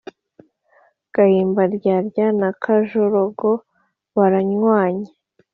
Gahimandyadya na Kajogora baranywanye.